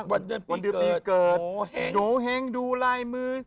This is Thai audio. วันเดือนปีเกิดหนูเฮงดูลายมือ